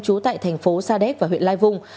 trú tại thành phố sa đéc và huyện lai vung